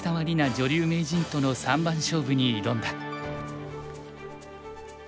女流名人との三番勝負に挑んだ。